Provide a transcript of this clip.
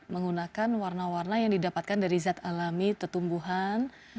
menggunakan warna warna yang didapatkan dari zat alami ketumbuhan